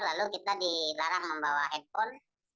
lalu kita dilarang membawa handphone